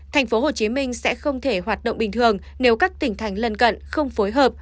tp hcm sẽ không thể hoạt động bình thường nếu các tỉnh thành lân cận không phối hợp